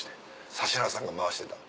指原さんが回してた。